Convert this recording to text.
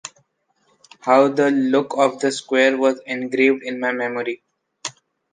How the look of the square was engraved in my memory!